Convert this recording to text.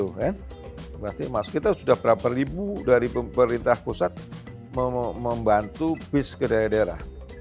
berarti emas kita sudah berapa ribu dari pemerintah pusat membantu bis ke daerah daerah